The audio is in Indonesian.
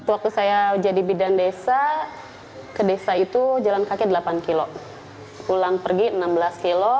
waktu saya jadi bidan desa ke desa itu jalan kaki delapan kilo pulang pergi enam belas kilo